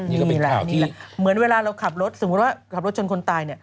นี่แหละเหมือนเวลาเราขับรถสมมุติว่าขับรถชนคนตายเนี่ย